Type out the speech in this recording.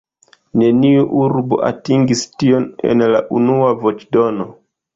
Neniu urbo atingis tion en la unua voĉdono.